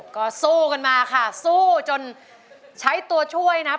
ก็สู้กันมาค่ะสู้จนใช้ตัวช่วยนะครับ